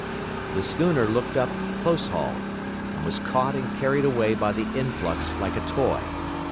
The schooner looked up close hauled, and was caught and carried away by the influx like a toy.